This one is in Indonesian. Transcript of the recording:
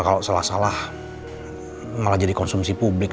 kalau salah salah malah jadi konsumsi publik